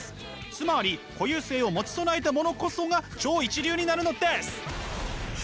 つまり固有性を持ち備えた者こそが超一流になるのです！